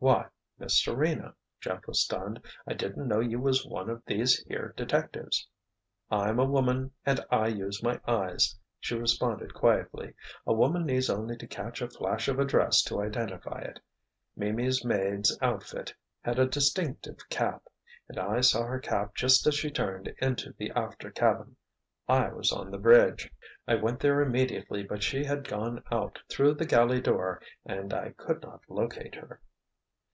"Why, Miss Serena!" Jeff was stunned. "I didn't know you was one of these here detectives." "I'm a woman and I use my eyes," she responded quietly. "A woman needs only to catch a flash of a dress to identify it. Mimi's maid's outfit has a distinctive cap—and I saw her cap just as she turned into the after cabin—I was on the bridge. I went there immediately but she had gone out through the galley door and I could not locate her."